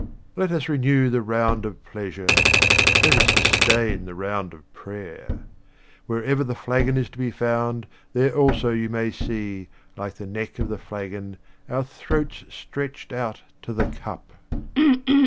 Let us renew the round of pleasure. Let us disdain the round of prayer. Wherever the flagon is to be found, there also you may see, like the neck of the flagon, our throats stretched out to the cup.